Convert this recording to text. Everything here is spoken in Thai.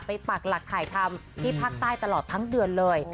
ปักหลักถ่ายทำที่ภาคใต้ตลอดทั้งเดือนเลย